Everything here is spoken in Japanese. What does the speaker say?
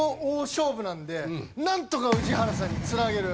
なんとか宇治原さんに繋げる。